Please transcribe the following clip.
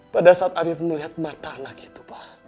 pada saat habib melihat mata anak itu pak